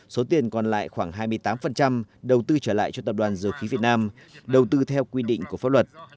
số tiền còn lại khoảng hai mươi tám đầu tư trở lại cho tập đoàn dầu khí việt nam đầu tư theo quy định của pháp luật